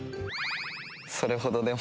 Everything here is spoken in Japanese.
それほどでも。